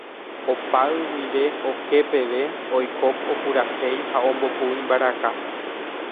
opay guive oke peve oiko opurahéi ha ombopu imbaraka